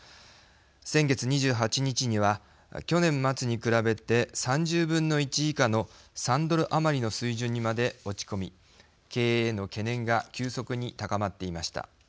先月２８日には、去年末に比べて３０分の１以下の３ドル余りの水準にまで落ち込み経営への懸念が急速に高まっていました。